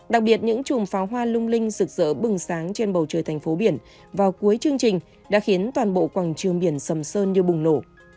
đặc biệt những chùm pháo hoa lung linh rực rỡ bừng sáng trên bầu trời thành phố biển vào cuối chương trình đã khiến toàn bộ quảng trường biển sầm sơn như bùng nổ